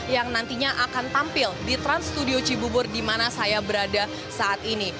yang nantinya akan tampil di trans studio cibubur di mana saya berada saat ini